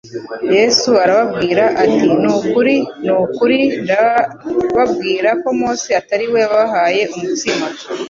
Yesu arababwira ati :« Ni ukuri ni ukuri ndababwira ko Mose atari we wabahaye umutsima